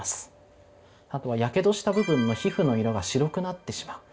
あとはやけどした部分の皮膚の色が白くなってしまう。